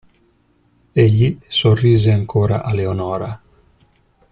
Egli sorrise ancora a Leonora.